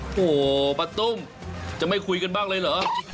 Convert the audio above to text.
โอ้โหป้าตุ้มจะไม่คุยกันบ้างเลยเหรอ